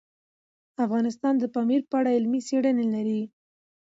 افغانستان د پامیر په اړه علمي څېړنې لري.